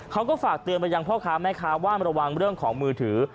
เขาก็ฝากเตือนไปยังพ่อค้าแม่ค้าว่าระวังเรื่องของมือถือ